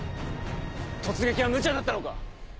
突撃はむちゃだったのか！